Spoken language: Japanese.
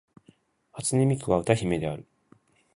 初音ミクは歌姫である